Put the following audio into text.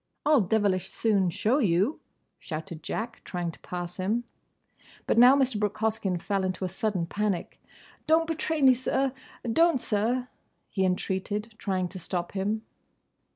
"I'll devilish soon show you!" shouted Jack, trying to pass him. But now Mr. Brooke Hoskyn fell into a sudden panic. "Don't betray me, sir! Don't, sir!" he entreated, trying to stop him.